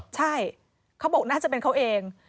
ใช่เขาบอกน่าจะเป็นเขาเอง